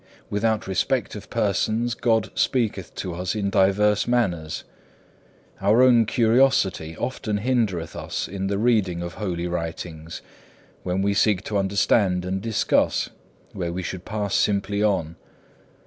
Without respect of persons God speaketh to us in divers manners. Our own curiosity often hindereth us in the reading of holy writings, when we seek to understand and discuss, where we should pass simply on.